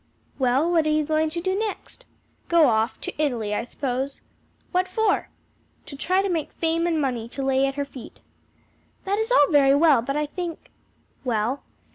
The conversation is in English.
"Well, what are you going to do next?" "Go off to Italy, I suppose." "What for?" "To try to make fame and money to lay at her feet." "That is all very well, but I think " "Well?"